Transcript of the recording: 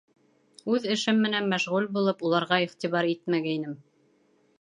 Үҙ эшем менән мәшғүл булып, уларға иғтибар итмәгәйнем.